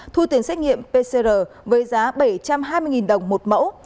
thu tiền xét nghiệm pcr với giá bảy trăm hai mươi đồng một mẫu